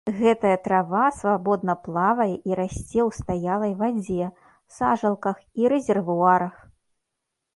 Гэтая трава свабодна плавае і расце ў стаялай вадзе, сажалках і рэзервуарах.